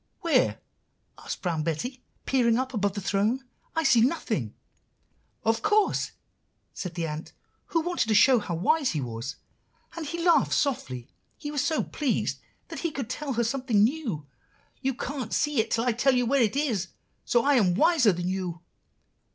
"'Where?' asked Brown Betty, peering up above the throne. 'I see nothing.' "'Of course,' said the ant who wanted to show how wise he was; and he laughed softly, he was so pleased that he could tell her something new. 'You can't see it till I tell you where it is, so I am wiser than you.